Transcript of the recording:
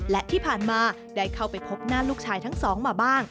และที่ผ่านมาได้เข้าไปพบหน้าลูกชายทั้งสองมาบ้าง